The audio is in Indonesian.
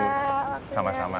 terima kasih pak